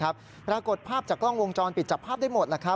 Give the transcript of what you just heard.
ปรากฏภาพจากกล้องวงจรปิดจับภาพได้หมด